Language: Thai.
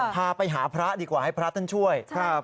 พาไปหาพระดีกว่าให้พระท่านช่วยครับ